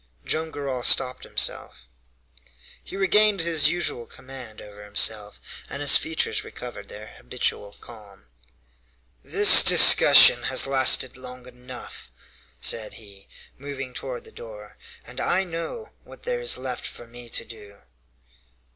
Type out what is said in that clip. Joam Garral stopped himself. He regained his usual command over himself, and his features recovered their habitual calm. "This discussion has lasted long enough," said he, moving toward the door, "and I know what there is left for me to do."